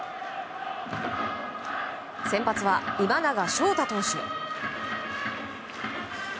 先発は、今永昇太投手。